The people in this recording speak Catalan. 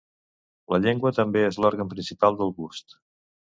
La llengua també és l'òrgan principal del gust.